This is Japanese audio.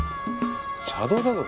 車道だぞ